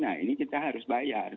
nah ini kita harus bayar